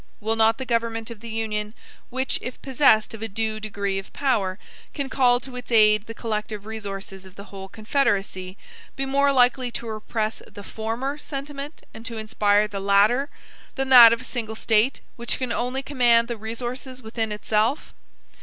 Will not the government of the Union, which, if possessed of a due degree of power, can call to its aid the collective resources of the whole Confederacy, be more likely to repress the FORMER sentiment and to inspire the LATTER, than that of a single State, which can only command the resources within itself?